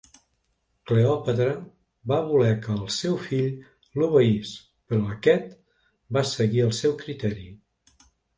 Cleòpatra va voler que el seu fill l'obeís però aquest va seguir el seu criteri.